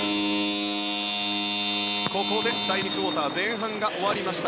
ここで第２クオーター前半が終わりました。